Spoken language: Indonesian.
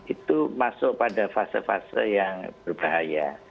itu masuk pada fase fase yang berbahaya